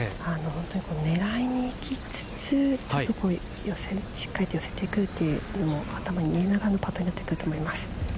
狙いにいきつつしっかりと寄せていくというのも頭に入れながらのパットになってくると思います。